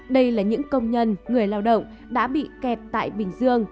đây là những công nhân người lao động đã bị kẹt tại bình dương